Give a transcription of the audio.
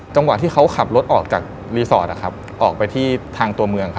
จังหวะที่เขาขับรถออกจากรีสอร์ทออกไปที่ทางตัวเมือง